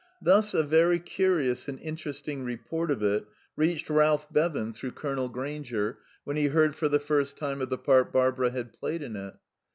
Thus a very curious and interesting report of it reached Ralph Bevan through Colonel Grainger, when he heard for the first time of the part Barbara had played in it.